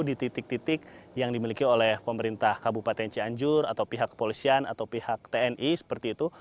di titik titik yang dimiliki oleh pemerintah kabupaten cianjur atau pihak kepolisian atau pihak tni seperti itu